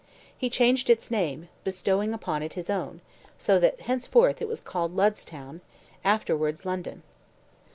He changed its name, bestowing upon it his own, so that henceforth it was called Lud's town, afterwards London.